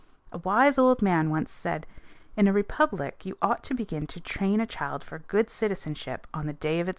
A wise old man once said, "In a republic you ought to begin to train a child for good citizenship on the day of its birth."